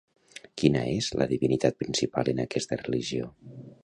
Quina és la divinitat principal en aquesta religió?